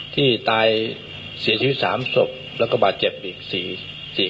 ที่ตายเสียชีวิตสามศพแล้วก็บาดเจ็บอีก